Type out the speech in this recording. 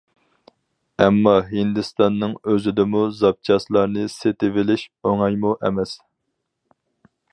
ئەمما ھىندىستاننىڭ ئۆزىدىمۇ زاپچاسلارنى سېتىۋېلىش ئوڭايمۇ ئەمەس.